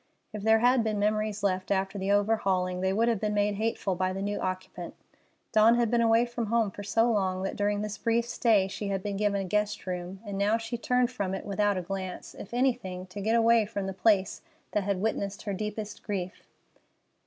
If there had been memories left after the overhauling, they would have been made hateful by the new occupant. Dawn had been away from home so long that during this brief stay she had been given a guest room, and now she turned from it without a glance, if anything, to get away from the place that had witnessed her deepest grief.